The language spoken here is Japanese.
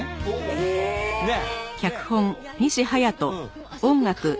ねえねえ